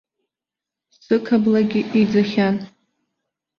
Сықаблагьы иӡахьан.